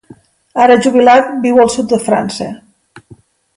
Ara jubilat, viu al sud de França.